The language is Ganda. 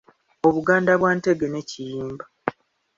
Obuganda bwa Ntege ne Kiyimba.